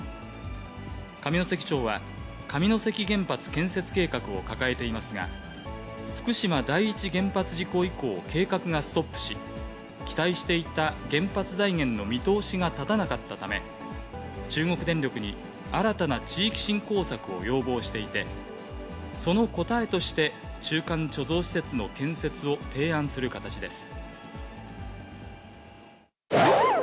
上関町は、上関原発建設計画を抱えていますが、福島第一原発事故以降、計画がストップし、期待していた原発財源の見通しが立たなかったため、中国電力に、新たな地域振興策を要望していて、その答えとして中間貯蔵施設の建設を提案する形です。